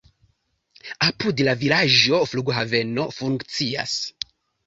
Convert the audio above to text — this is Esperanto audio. Apud la vilaĝo flughaveno funkcias.